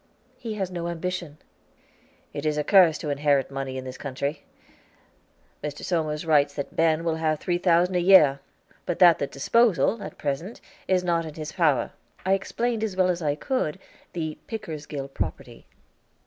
"He has no ambition." "It is a curse to inherit money in this country. Mr. Somers writes that Ben will have three thousand a year; but that the disposal, at present, is not in his power." I explained as well as I could the Pickersgill property.